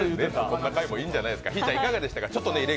こんな回もいいんじゃないですか、ひぃちゃんいかがでした？